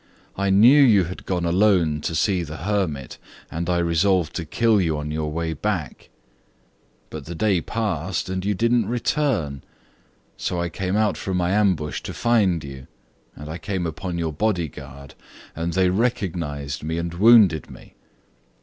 I knew you had gone alone to see the hermit, and I resolved to kill you on your way back. But the day passed and you did not return. So I came out from my ambush to find you, and I came upon your bodyguard, and they recognized me, and wounded me.